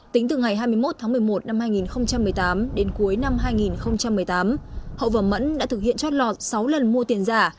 tính từ ngày hai mươi một tháng một mươi một năm hai nghìn một mươi tám đến cuối năm hai nghìn một mươi tám hậu và mẫn đã thực hiện trót lọt sáu lần mua tiền giả